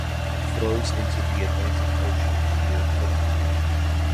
It flows into the Atlantic Ocean near Cotonou.